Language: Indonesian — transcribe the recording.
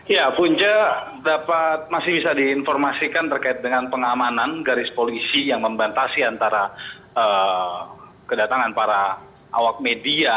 ya punca masih bisa diinformasikan terkait dengan pengamanan garis polisi yang membatasi antara kedatangan para awak media